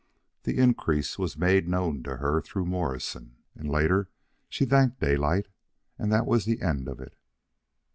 The increase was made known to her through Morrison, and later she thanked Daylight, and that was the end of it.